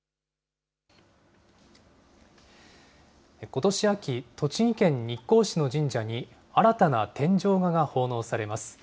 ことし秋、栃木県日光市の神社に新たな天井画が奉納されます。